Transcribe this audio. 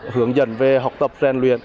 hướng dẫn về học tập rèn luyện